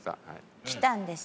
来たんですね。